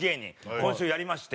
今週やりまして。